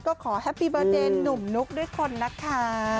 ก็ขอแฮปปี้เบอร์เจนหนุ่มนุ๊กด้วยคนนะคะ